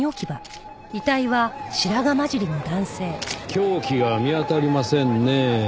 凶器が見当たりませんねぇ。